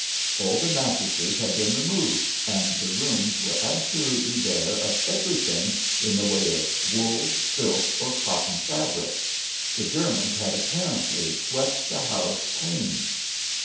All the mattresses had been removed and the rooms were absolutely bare of everything in the way of wool, silk, or cotton fabrics. The Germans had apparently swept the house clean.